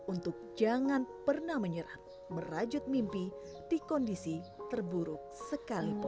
untuk jangan pernah menyerah merajut mimpi di kondisi terburuk sekalipun